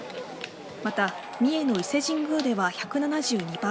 また三重の伊勢神宮では１７２％